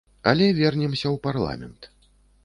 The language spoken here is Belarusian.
Але вернемся ў парламент.